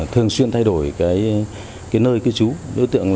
thường xuyên thay đổi nơi cư trú